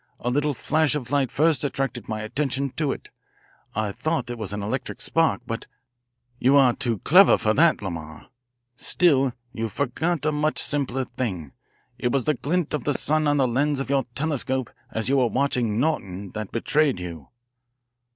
A little flash of light first attracted my attention to it. I thought it was an electric spark, but you are too clever for that, Lamar. Still, you forgot a much simpler thing. It was the glint of the sun on the lens of your telescope as you were watching Norton that betrayed you."